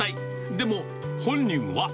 でも、本人は。